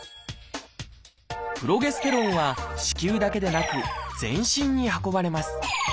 プロゲステロンは子宮だけでなく全身に運ばれます。